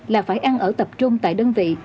là phải ăn ở tập trung tại đơn vị